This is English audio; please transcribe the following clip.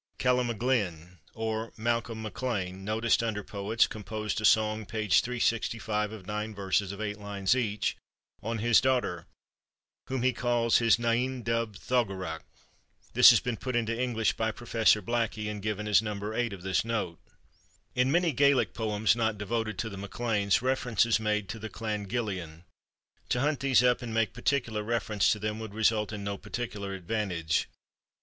Calum a Ghlinne or Malcolm MacLean, noticed under poets, composed a song (p. 365) of nine verses of eight lines each, on his daughter, whom he calls his " Nighean dubh Thoggaracb." This has been put into English by Professor Blackie, and given as No. 8 of this note. In many Gaelic poems not devoted to the MacLeans, reference is made to the Clan Gilleain. To hunt these up and make particular reference to them would result in no particular advantage.